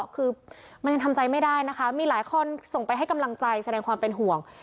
คือมันยังทำใจไม่ได้นะคะมีหลายคนส่งไปให้กำลังใจแสดงความเป็นห่วง